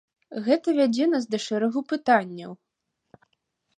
Гэта вядзе нас да шэрагу пытанняў.